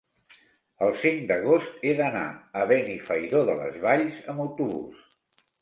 El cinc d'agost he d'anar a Benifairó de les Valls amb autobús.